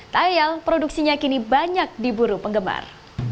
tayal produksinya kini banyak di buru penggemar